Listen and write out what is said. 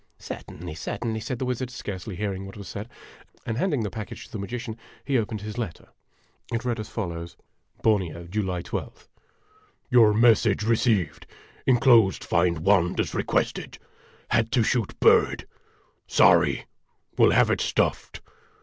" Certainly, certainly," said the wizard, scarcely hearing what was said ; and handing the package to the magician, he opened his letter. It read as follows : BORNEO, July i2th. Your message received. Inclosed find wand as requested. Had to shoot bird. Sorry. Will have it stuffed.